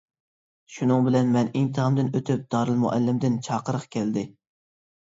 شۇنىڭ بىلەن مەن ئىمتىھاندىن ئۆتۈپ دارىلمۇئەللىمىندىن چاقىرىق كەلدى.